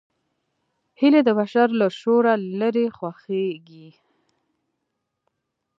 هیلۍ د بشر له شوره لیرې خوښېږي